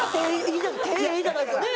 手いいじゃないですかねえ。